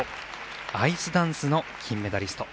アイスダンスの金メダリスト